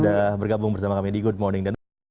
sudah bergabung bersama kami di good morning dan